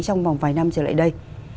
trong vòng vài năm trở lại đây